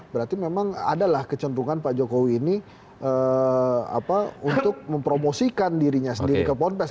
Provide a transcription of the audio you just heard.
berarti memang adalah kecenderungan pak jokowi ini untuk mempromosikan dirinya sendiri ke ponpes